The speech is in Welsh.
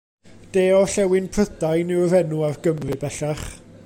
De Orllewin Prydain yw'r enw ar Gymru bellach.